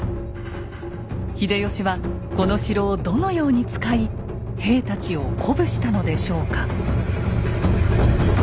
秀吉はこの城をどのように使い兵たちを鼓舞したのでしょうか？